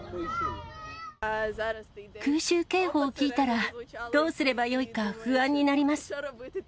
空襲警報を聞いたら、どうすればよいか不安になります。